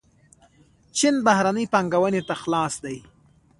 چین بهرنۍ پانګونې ته خلاص دی.